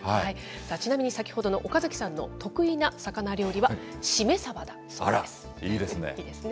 ちなみに、先ほどの岡崎さんの得意な魚料理は、シメサバだそうです。